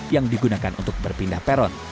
yang digunakan untuk berpindah peron